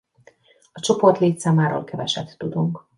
A csoport létszámáról keveset tudunk.